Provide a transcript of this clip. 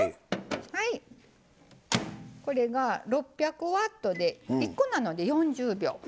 これが６００Ｗで１個なので４０秒。